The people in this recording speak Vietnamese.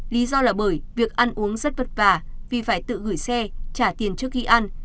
lý do là bởi việc ăn uống rất vất vả vì phải tự gửi xe trả tiền trước khi ăn